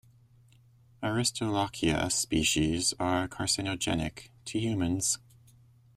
"Aristolochia" species are carcinogenic to humans.